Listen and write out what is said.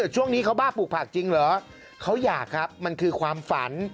ช่วงนี้เขาบ้าปลูกผักจริงเหรอเขาอยากครับมันคือความฝัน